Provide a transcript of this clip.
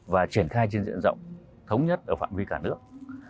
và triển khai trên diện rộng thống nhất ở phạm vi cả nước